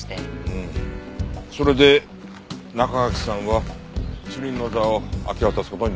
うんそれで中垣さんは主任の座を明け渡す事になった。